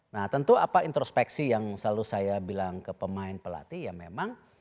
nah tentu apa introspeksi yang selalu saya bilang ke pemain pelatih ya memang